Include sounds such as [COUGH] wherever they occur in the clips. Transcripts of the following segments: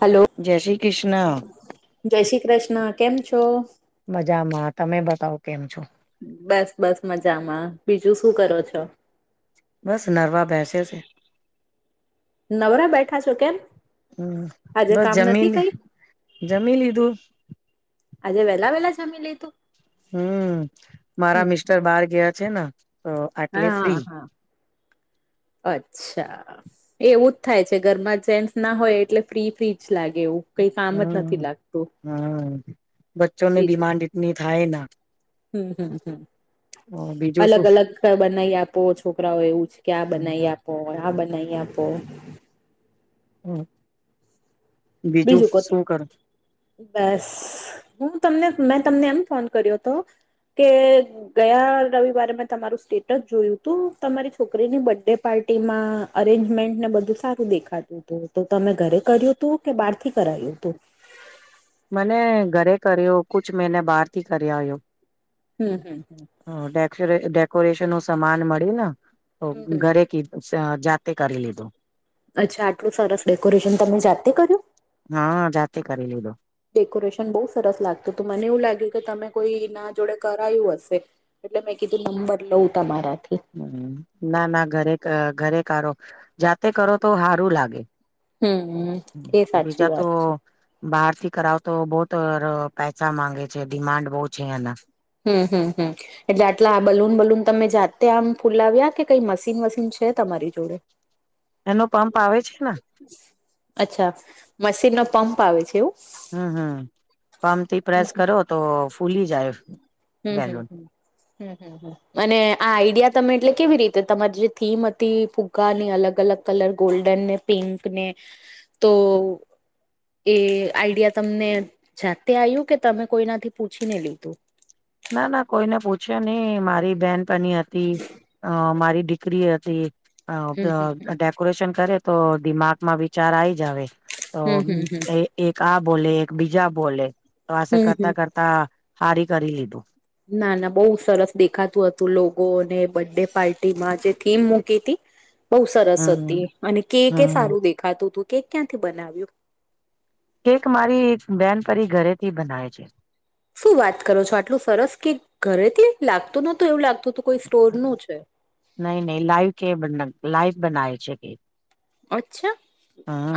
Hello જય શ્રી કૃષ્ણ. જય શ્રી કૃષ્ણ કેમ છો. મજામાં તમે બતાવો કેમ છો. બસ બસ મજામાં બીજું શું કરો છો. બસ નરવા બેસે્યો છે નવરા બેઠા છો કેમ હમ આજે બસ કામ નથી જમીલી કઈ જમીનિું આજે વેહલા વેલા જમી લે તું- હમ મારા મિસ્ટર બહાર ગયા છે ને. તો આટલે હા ફ્રી હા અચ્છા. એવું જ થાય છે ઘરમાં જેન્ટસ ના હોય એટલે ફ્રી ફ્રીજ લાગે એવું કઈ કામ જ નથી હમ લાગતું હમ બચ્ચોની બીજું ડિમાન્ડ એટની થાય ના. હમ હમ હમ [UNINTELLIGIBLE] બીજું અલગ શું અલગ બનાવી આપો છોકરાઓ એવું છે કે આ બનાવી આપ પો આ બનાઈયા આપ હમ બીજું શું કર બસ હું તમને મેં તમને એમ ફોન કર્યો હતો કે ગયા રવિવારે મેં તમારું સ્ટેટસ જોયું તું તમારી છોકરીની બર્ ડે પાર્ટીમાં અરેન્જમેન્ટ ને બધું સારું દેખાતું હતું તો તમે ઘરે કર્યું હતું. કે બાર થી કરાયું હતું. મને ઘરે કર્યો કુછ મહિને બહાર થી કર્યા આવ્યો હમ હમ હમ ડેકોરેશન નું સમાન મળ્યું ને તો હમ હમ. ઘરે કીધ જાતે કરી લીધું. અચ્છા આટલું સરસ ડેકોરેશન તમે જાતે કર્યું. હા જાતે કરી લીધું. ડેકોરેશન બહુ સરસ લાગતું તો મને એવું લાગ્યું કે તમે કોઈ એના જોડે કરાયું હશે. એટલે મેં કીધું નંબર લઉં ત મારાથી. હ ના ના ઘરે ઘરે કારો જાતે કરો તો સારું લાગે- હમ એ સાચી બીજા વાત છે તો- બહાર થી કરાવ તો બહત પૈસા માંગે છે ડિમાન્ડ બહુ છે. એના- હમ હમ હમ એટલે આટલા આ બલુન બલુન તમે જાતે આમ ફુલાવ્યા કે કઈ મશીન વશન છે તમારી જોડે- [INAUDIBLE] [UNINTELLIGIBLE] એનો પંપ આવે છે ને- અચ્છા મશીન નો પંપ આવે છે એવું- હમ હમ પામપ થી પ્રેસ હમ કરો તો ફૂલી જાય- હમ બેલુન હમ હમ હમ હમ અને આ આઈડિયા તમે એટલે કેવી રીતે તમારી જે થીમ હતી ફુગ્ગા ની અલગ અલગ કલર ગોલ્ડન ને પિંક ને તો- એ આઈડિયા તમને જાતે આવ્યું કે તમે કોઈનાથી પૂછીને લીધું- ના ના કોઈને પૂછે નહ મારી બેન પણ હતી- અ મારી દીકરી હતી- હમ હમ હમ ડેકોરેશન કરે તો દિમાગમાં વિચાર આઈ જ આવે- તો હમ હમ હમ એક આ બોલે એક બીજા બોલે તો આ હમ હમ કરતા કરતા- ત હારી કરી લીધો- ના ના બહુ સરસ દેખાતું હતું લોકોને બર્થડે પાર્ટી માં જે થીમ મૂકી હતી- બહુ સરસ હમ હતી અને કેકે એ હમ સારું દેખાતું હતું કેક ક્યાંથી બનાવ્યું- કેક મારી એક બેન પરી ઘરેથી બનાવે છે. શું વાત કરો છો આટલું સરસ કે ઘરેથી લાગતું નતું એવું લાગતું હતું કોઈ સ્ટોર નું છે. નઈ ન લાઈવ કે લાઈવ બના છે. કે- અચ્છા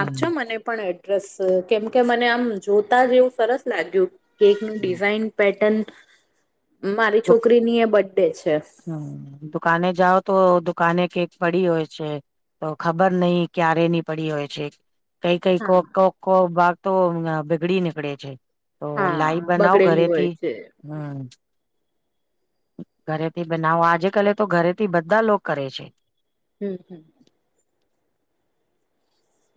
આપ છો મને પણ- ડ્રેસ કેમ કે મને આમ જોતા જ એવું સરસ લાગ્યું- કેક નું હમ ડિઝાઇન પેટન મારી છોકરીની એ બર્ ડે છે. હમ દુકાને જાઓ તો દુકાને કેક પડી હોય છે. તો ખબર નહ ક્યારે ની પડી હોય છે. કઈ કઈ હા કો કો ભાગ તો બીગડી નીકળે છે. તો લાઈ હા બનાવ બગડેલી હોય ઘરેથી છે હમ ઘરે તે બનાવો આજે કલે તો ઘરેથી બધા લોકો કરે છે. હમ હમ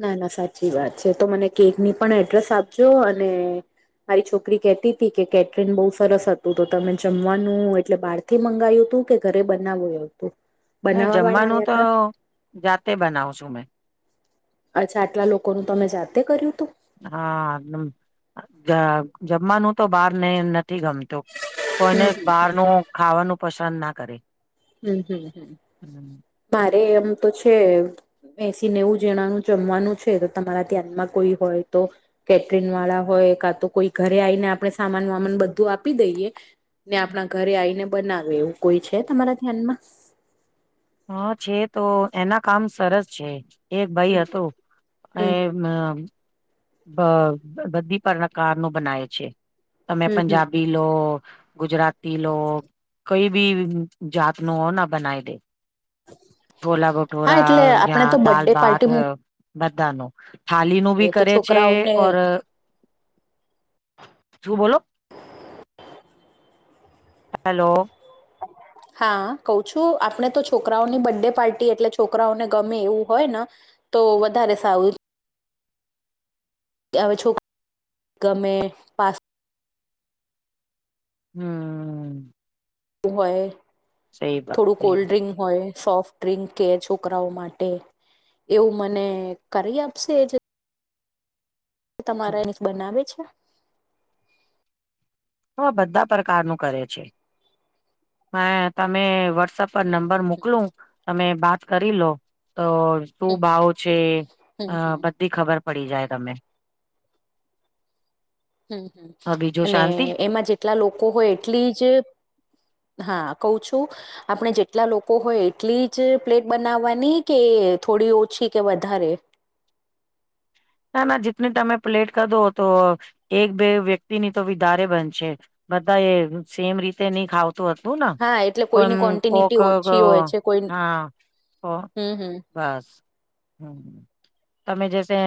ના ના સાચી વાત છે તો મને કેક ની પણ એડ્રેસ આપજો અને- મારી છોકરી કહતી હતી કે કેટરીન બહુ સરસ હતું તો તમે જમવાનું એટલે બાળ- થી મંગાવું તું કે ઘરે બનાવુંવું તું- નહી જમવાનું તો જાતે બનાવશું મેં- અચ્છા આટલા લોકોનું તમે જાતે કર્યું હતું. હા જમવાનું તો બહાર ને નથી ગમતું. કોઈને બહારનું ખાવાનું પસંદ ના કરે હમ હમ હમ મારે એમ તો છે. એસી નેવું જણાનું જમવાનું છે તો તમારા ધ્યાનમાં કોઈ હોય તો કેટરીિન વાળા હોય કા તો કોઈ ઘરે આવીને આપણે સામાન વામાન બધું આપી દઈએ ને આપણા ઘરે આવીને બનાવે એવું કોઈ છે તમારા ધ્યાનમાં હા છે તો એના કામ સરસ છે. એક ભાઈ હમ હતોું એ હમ હમ બ બધી પરણકાર નો બનાવે છે. તમે હમ હમ હમ પંજાબી લો ગુજરાતી પિલો કોઈ બી જાત ન ના બનાવી દે છોલા હા ભટૂરા એટલે આપણે તો યાં દાલ બર્થડે ભત પાર્ટી મૂકીએ બધા ન થાલી નું બી તો કરે છે છોકરાઓને ઓર શું બોલો, હલો હા કહ છું આપણે તો છોકરાઓની બર્ડે પાર્ટી એટલે છોકરાઓને ગમે એવું હોય ને તો વધારે સારુ હવે છોકરા ગમે પાસ હમ હોય સહી વાત થોડું સહી કોલ્ડ વાત ડ્રિંક હોય. સોફ્ટ ડ્રિંક કે છોકરાઓ માટે એવું મને કરી આપશે? તમારા એને બનાવે છે. તો આ બધા પ્રકારનું કરે છે. મે તમે વોટ્સપ પર હમ નંબર હમ મોકલું તમે બાત કરી લો તો શું હમ હમ ભાવ છે હમ હમ બધી ખબર પડી જાય તમે હમ હમ બીજું અને શાંતિ એમાં જેટલા લોકો હોય એટલી જ હા કઉ છું. આપણે જેટલા લોકો હોય એટલી જ પ્લેટ બનાવવાની કે થોડી ઓછી કે વધારે ના ના જેટની તમે પ્લેટ કાધો તો એક બે વ્યક્તિની તો વિ વધારે બનશે. બધા એ સેમ રીતે નહી ખાવ હતું ને હા એટલે કોઈમ કોઈની કોક ક્વોન્ટિનિટી ઓછી હોય છે કોઈ હા હમ હમ બસ હ તમે જસે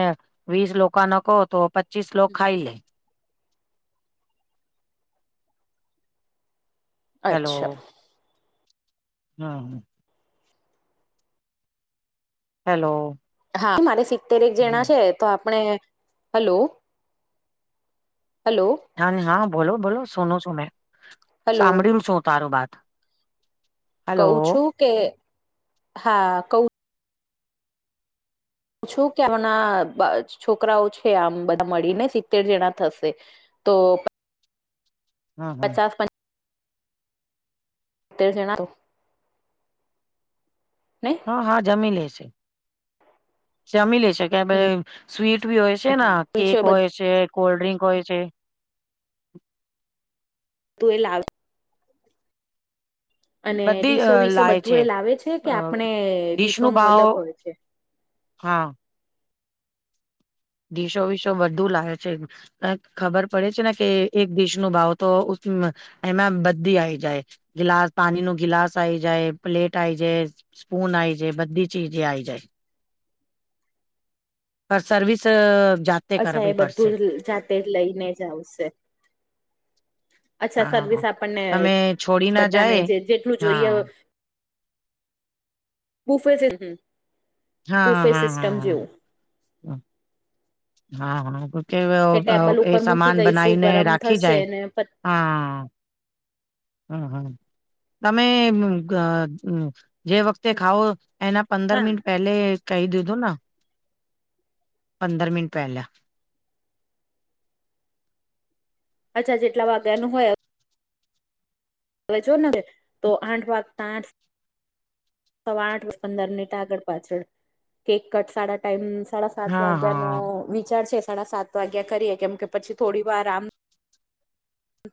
વીસ લોકો ન કહો તો પચીસ લોકો હમ. ખાઈ લે અચ્છા, હા હા હેલો હા મારે સિત્તેરક જણા છે તો આપણે હલો હલો હા હા બોલો બોલો સોનું છું મેં હલો સાંભળ્યું છું તારું બાત કઉ છું કે હા ક પૂછું કે હમણા છોકરાઓ છે આમ બધા મળીને સિત્તેર જણા થશે તો હા હા. પચાસ પ તે ચેણા નઈ હા હા જમી લે છે જમી લે છે. કે ભ સ્વીટ બી હોય છે ને હ હ કેક હોય છે કોલ્ડ્રિંક હોય છે. તું એ લાવ અને બધી ડીસો અ વિીસો લાય બધું છે એ લાવે છે કે અ આપણે ડીશ ડીસો નું ભાવ અલગ હોય છે. હા ડીસો વિસો બધું લાગે છે. ખબર પડે છે ને કે એક દેશ નું ભાવ તો એમાં બધી આવી જાય ગિલાસ પાણી નું ગિલાસ આઈ જાય પ્લેટ આઈ જાય સ્પૂન આઈ જાય બધી ચીજ આઈ જાય [INAUDIBLE] અ સર્વિસ જા અચ્છા એ બધું જ જાતે જ લઈને જાય છે અચ્છા હા હા હા સર્વિસ આપણને તમે છોડી ના બધાને જાય જે જેટલું જોઈએ હા બફજ બુફે સિસ્ટમ જેવું ના હા [INAUDIBLE] કે ટેબલ એ ઉપર મૂકી સામાન દઈશું બનાવીને ગરમ રાખી થશે જાય ને પ હા હમ હમ તમે ઘ જે વખતે ખાવો એના પંદર હા મિનિટ પહેલે કહી દીધુંના પંદર મિનટ પહેલા અચ્છા જેટલા વાગ્યા નું હોય હવે જોને હવે તો આઠ વાગતા આઠ સવા આઠ પંદર મિનિટ આગળ પાછળ કે કટ સાડા ટાઈમ સાડા સાત હા વાગ્યાનો હા વિચાર છે સાડા સાત વાગ્યા કરીએ કેમ કે પછી થોડી વાર આમ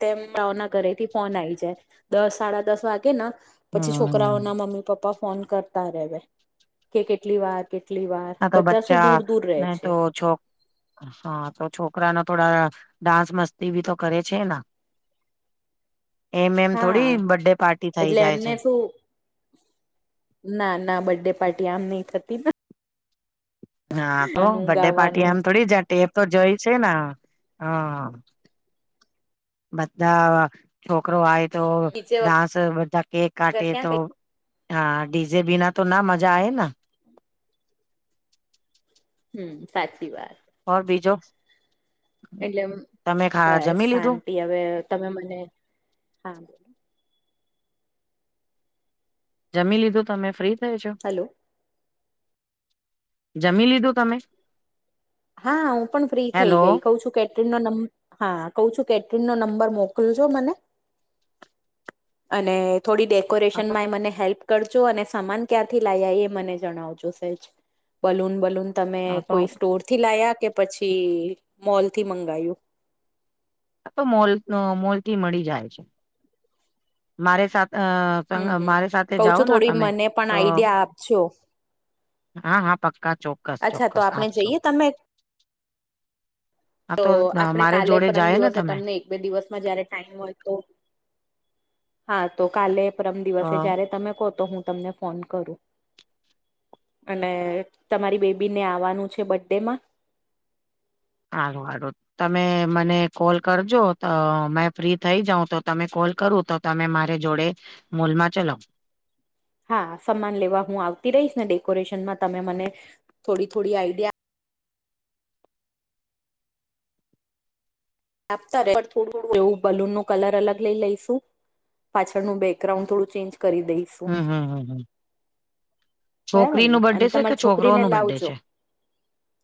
તેમ રાઓના ઘરેથી ફોન આવી જાય દસ સાડા દસ વાગે ને પછી છોકરાઓ હમ ના મમ્મી પપ્પા ફોન કરતા રવે કે કેટલી વાર કેટલી વાર હા તો બધા શું બચ્ચા દૂર દૂર રહે ને છે. તો છોક હા તો છોકરા ના થોડા ડાન્સ મસ્તી બી તો કરે છે ના [INAUDIBLE] એમ-એમ થોડી હા બર્ડે પાર્ટી થઇ એટલે જાય છે. એમને શું ના ના બર્ડે પાર્ટી આમ નઈ થતી હા તો ગાવાનું બર્ડે પાર્ટી ગાવાનું આમ થોડી જાતિ એ તો જઈ છે ને હ બધા છોકરો આવે તો નીચે ડાસ બધા કેક કાટે વગર ક્યાં તો કઈ હા ડી જેે બિના તો ના મજા આવે. હમ સાચી વાત. [UNINTELLIGIBLE] બીજો એટલે તમે ખા બસ જમી લીધું શાંતિ હવે તમે મને હા જમી લીધું તમે ફ્રી થઈ છો હલો જમી લીધું તમે હા હું પણ ફ્રી થઈ હેલો ગઈ કઉ છું કે ટરીન નો નંબ હા કહું છું કેટરીન નો નંબર મોકલજો મને અને થોડી હા તો ડેકોરેશનમાં મને હેલ્પ કરજો અને સમાન ક્યાંથી લાવયા એ મને જણાવજો સહેજ બલૂન બલૂન તમે હા તો કોઈ સ્ટોરથી લાયા કે પછી મોલથી મંગાવ્યુ મોલ મોલ થી મળી જાય છે. મારે સા હમ અ હમ મારી સાથે કઉ છું જાઓના થોડી તમે મને પણ તો આઈડિયા આપજો હા-હા પક્કા ચો અચ્છા તો આપણે જઈએ તમે હા તો આપણે મારે કાલે જોડે પરમ જાય ને દિવસે તમે તમને બે દિવસમાં જયારે ટાઈમ હોય, તો હા તો કાલે પરમ દિવસે તો જયારે તમે કહો તો હું તમને ફોન કરું અને તમારી બેબી ને આવાનું છે બડે માં હારુ હારુ તમે મને કોલ કરજો તો મેં ફ્રી થઈ જાઉં તો તમે કોલ કરું તો તમે મારે જોડે મોલમાં ચાલો. હા સમાન લેવા હું આવતી રહીશ ને ડેકોરેશનમાં તમે મને થોડી થોડી આઈડિયા આપતા થોડું થડું એવું બલૂન નું કલર અલગ લઈ લઈશું પાછળનું બેકગ્રાઉન્ડ થોડું ચેન્જ કરી દઈ. હમ્મ હમ્મ હમ્મ હમ્મ. બરાબર છોકરી ને અને બરડે છે કે તમારી છોકરો છોકરીને ન બરડે લાવજો છે.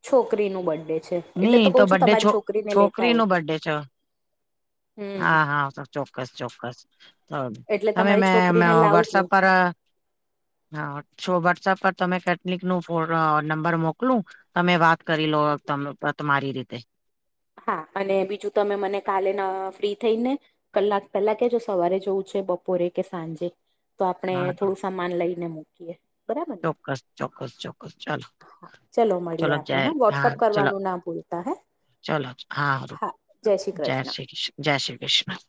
છોકરીનું બર્થડે છે એટલે ની કઉ તો છું બરડે તમારી છો છોકરીને લેતા છોકરી નો આવજો બરડે છે. હમ હા હા ચોક્કસ ચોક્કસ એટલે હમે તમારી મે છોકરીને વોટસઅપ. લાવજો હા છો વોટ્સઅપ પર તમે કેટલિક નો નંબર મોકલું. તમે વાત કરી લો તમારી રીતે. હા અને બીજું તમે મને કાલે ન ફ્રી થઈ ને. કલાક પેલા કે જો સવારે જવું છે બપોરે કે સાંજે. તો આપણે હા થોડું સમાન લઈને મૂકીએ. બરાબર ને ચોક્કસ ચોક્કસ ચોક્કસ ચાલો. ચલો મળીએ આપણે હા વોટ્સઅપ ચલો કરવાનું ના ભૂલતા હે. ચલો હા જય શ્રી કૃષ્ જય શ્રી કૃષ્ણ.